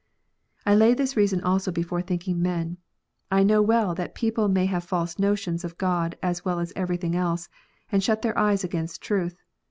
I lay this reason also before thinking men. I know well that people may have false notions of God as well as everything else, and shut their eyes against truth.